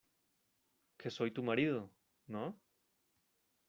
que soy tu marido, ¿ no?